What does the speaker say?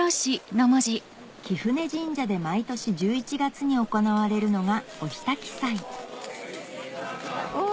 貴船神社で毎年１１月に行われるのが御火焚祭わぁ